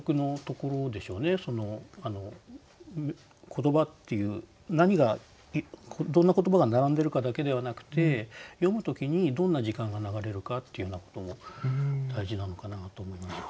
言葉っていう何がどんな言葉が並んでるかだけではなくて読む時にどんな時間が流れるかっていうようなことも大事なのかなと思いますね。